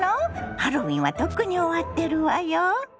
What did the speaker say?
ハロウィーンはとっくに終わってるわよ。